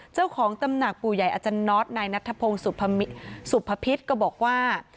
เจ้าของตำหนักปู่ใหญ่อาจารย์น็อตนายนัทพงศ์สุภพิษก็บอกว่า